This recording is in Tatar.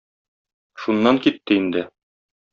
Шуннан китте инде...